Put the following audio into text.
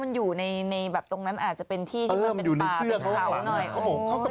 เกาะอยู่ในหลังเขาอยู่ในเสื้อเขา